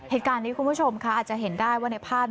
เหตุการณ์นี้คุณผู้ชมค่ะอาจจะเห็นได้ว่าในภาพ